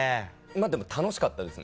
でも楽しかったですね。